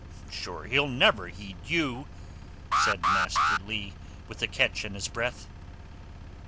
"Sure he'll never heed you!" said Master Leigh with a catch in his breath.